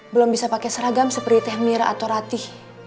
belum bisa pakai seragam seperti teh mira atau ratih